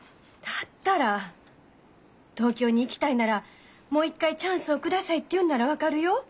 だったら東京に行きたいなら「もう一回チャンスを下さい」って言うんなら分かるよ。